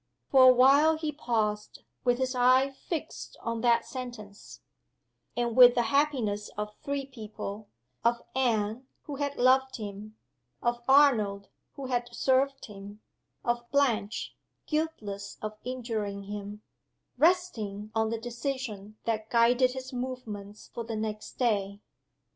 For a while he paused, with his eye fixed on that sentence; and with the happiness of three people of Anne, who had loved him; of Arnold, who had served him; of Blanche, guiltless of injuring him resting on the decision that guided his movements for the next day.